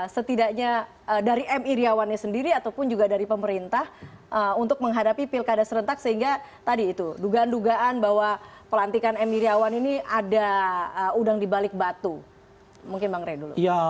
setidaknya dari m iryawannya sendiri ataupun juga dari pemerintah untuk menghadapi pilkada serentak sehingga tadi itu dugaan dugaan bahwa pelantikan m iryawan ini ada udang di balik batu mungkin bang rey dulu